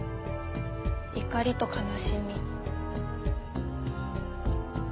怒りと悲しみ。